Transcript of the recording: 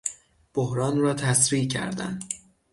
بحران را تسریع کردن